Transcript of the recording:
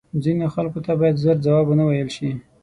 ځینو خلکو ته باید زر جواب وه نه ویل شې